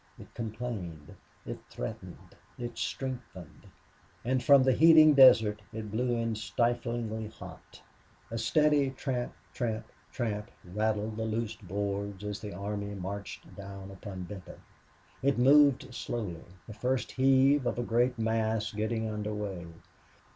It complained; it threatened; it strengthened; and from the heating desert it blew in stiflingly hot. A steady tramp, tramp, tramp rattled the loose boards as the army marched down upon Benton. It moved slowly, the first heave of a great mass getting under way.